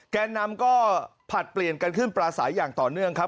แกนนำก็ผลัดเปลี่ยนกันขึ้นปลาสายอย่างต่อเนื่องครับ